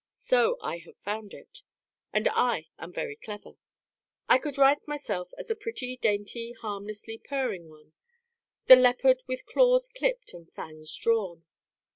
So I have found it. And I am very clever. I could write myself as a pretty dainty harmlessly purring one the leopard with claws clipped and fangs drawn.